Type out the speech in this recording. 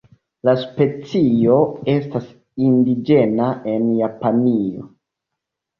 La specio estas indiĝena en Japanio.